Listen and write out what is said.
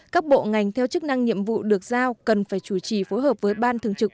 các bộ ngành theo chức năng nhiệm vụ được giao cần phải chủ trì phối hợp với ban thường trực